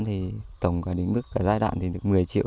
thì tổng cả định mức giai đoạn thì được một mươi triệu